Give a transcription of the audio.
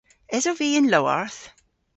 Esov vy y'n lowarth?